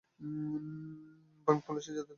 কলেজটি জাতি, ধর্ম বা বর্ণ নির্বিশেষে সবার জন্য খোলা।